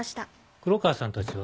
黒川さんたちは？